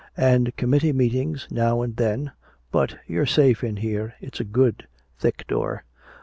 "And committee meetings now and then. But you're safe in here, it's a good thick door."